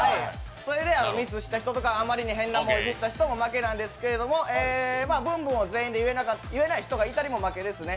ミスした人やあまりに変なものを入れた人も負けなんですけど、ブンブンを言えない人がいても負けですね。